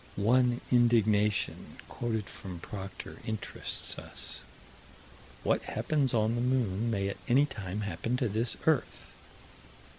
One indignation quoted from Proctor interests us: "What happens on the moon may at any time happen to this earth."